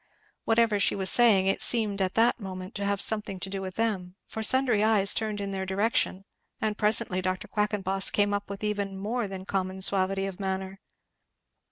Whatever she was saying it seemed at that moment to have something to do with them, for sundry eyes turned in their direction; and presently Dr. Quackenboss came up, with even more than common suavity of manner.